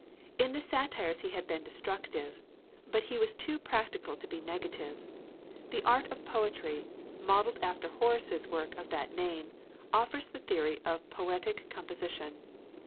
In the satires he had been destructive, but he was too practical to be negative. The 'Art of Poetry,' modeled after Horace's work of that name, offers the theory of poetic composition.